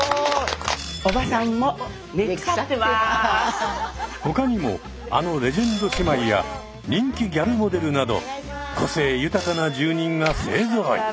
おばさんも他にもあのレジェンド姉妹や人気ギャルモデルなど個性豊かな住人が勢ぞろい。